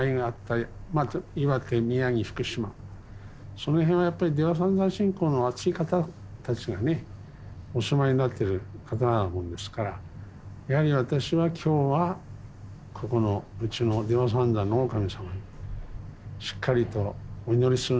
その辺はやっぱり出羽三山信仰のあつい方たちがねお住まいになってる方なものですからやはり私は今日はここのうちの出羽三山の大神様にしっかりとお祈りする。